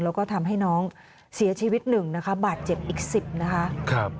แล้วก็ทำให้น้องเสียชีวิตหนึ่งนะคะบาดเจ็บอีก๑๐นะคะ